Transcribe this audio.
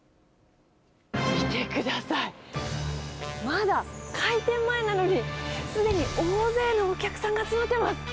見てください、まだ開店前なのに、すでに大勢のお客さんが集まっています。